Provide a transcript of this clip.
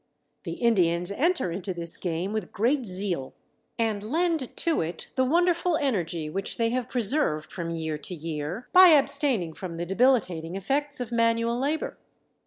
The Indians enter into this game with great zeal, and lend to it the wonderful energy which they have preserved from year to year by abstaining from the debilitating effects of manual labor.